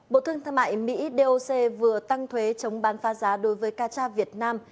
bộ thương thương mại mỹ doc vừa tăng thuế chống bán pha giá đối với cà cha việt nam